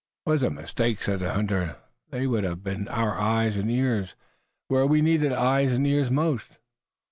"'Twas a mistake," said the hunter. "They would have been our eyes and ears, where we needed eyes and ears most."